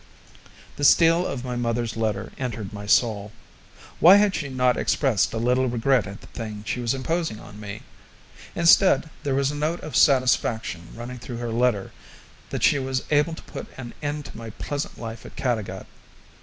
The steel of my mother's letter entered my soul. Why had she not expressed a little regret at the thing she was imposing on me? Instead, there was a note of satisfaction running through her letter that she was able to put an end to my pleasant life at Caddagat.